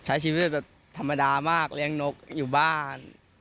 ใช้ชีวิตแบบธรรมดามากเลี้ยงนกอยู่บ้าน